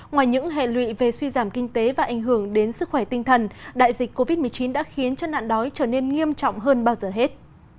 ngoài những hệ lụy về suy giảm kinh tế và ảnh hưởng đến sức khỏe tinh thần đại dịch covid một mươi chín đã khiến cho nạn đói trở nên nghiêm trọng hơn bao giờ hết